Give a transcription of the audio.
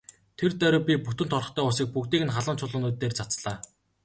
Тэр даруй би бүтэн торхтой усыг бүгдийг нь халуун чулуунууд дээр цацлаа.